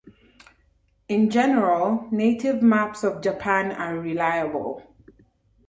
In general, native maps of Japan are reliable.